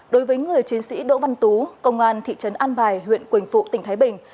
đối với người chiến sĩ đỗ văn tú công an thị trấn an bài huyện quỳnh phụ tỉnh thái bình